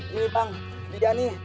ini bang dia nih